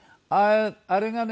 あれがね